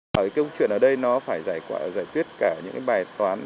cái câu chuyện ở đây nó phải giải quyết cả những bài toán